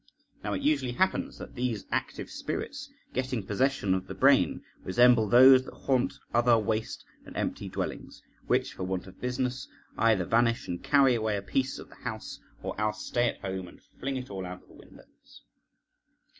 Now it usually happens that these active spirits, getting possession of the brain, resemble those that haunt other waste and empty dwellings, which for want of business either vanish and carry away a piece of the house, or else stay at home and fling it all out of the windows.